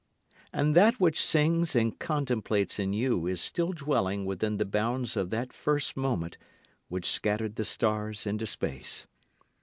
And that that which sings and contemplates in you is still dwelling within the bounds of that first moment which scattered the stars into space.